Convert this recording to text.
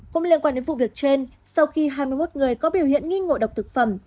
cũng liên quan đến vụ việc trên sau khi hai mươi một người có biểu hiện nghi ngộ độc thực phẩm